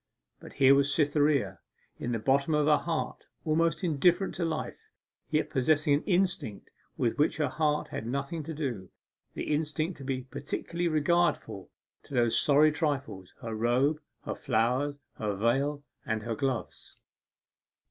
But here was Cytherea, in the bottom of her heart almost indifferent to life, yet possessing an instinct with which her heart had nothing to do, the instinct to be particularly regardful of those sorry trifles, her robe, her flowers, her veil, and her gloves.